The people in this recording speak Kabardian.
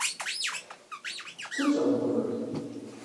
Сыт щӀэмыхъунур?